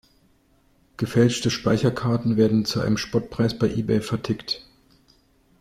Gefälschte Speicherkarten werden zu einem Spottpreis bei Ebay vertickt.